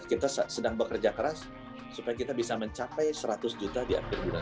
kita sedang bekerja keras supaya kita bisa mencapai seratus juta di akhir bulan